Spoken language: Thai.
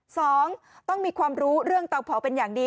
สองต้องมีความรู้เรื่องเตาเผาเป็นอย่างดี